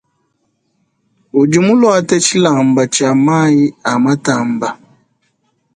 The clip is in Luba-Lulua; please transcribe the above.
Udi muluate tshilamba tshia mayi a matamba.